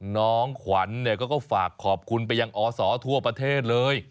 น้องขวัญก็ฝากขอบคุณไปยังอศทั่วประเทศเลย